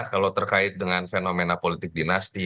kalau terkait dengan fenomena politik dinasti